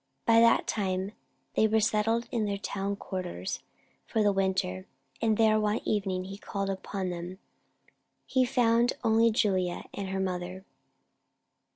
By that time they were settled in their town quarters for the winter, and there one evening he called upon them. He found only Julia and her mother.